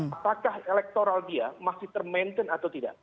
apakah elektoral dia masih ter maintain atau tidak